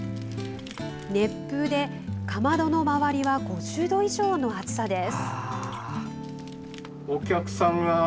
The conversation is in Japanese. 熱風で、かまどの周りは５０度以上の暑さです。